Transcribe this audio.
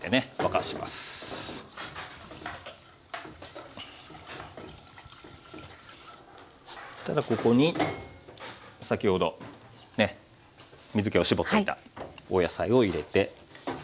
そしたらここに先ほどね水けを絞っていたお野菜を入れて。